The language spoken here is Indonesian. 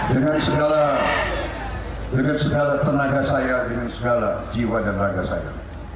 dengan segala tenaga saya dengan segala jiwa dan raga saya